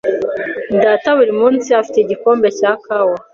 Data buri munsi afite igikombe cya kawa.